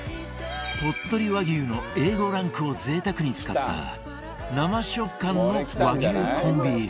鳥取和牛の Ａ５ ランクを贅沢に使った生食感の和牛コンビーフ